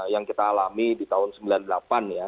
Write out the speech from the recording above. yang kita alami di tahun sembilan puluh delapan ya